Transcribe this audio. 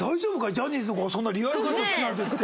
ジャニーズの子がそんなリアルガチの好きなんて言って。